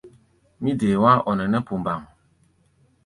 Mí dee wá̧á̧-ɔ-nɛnɛ́ pumbaŋ.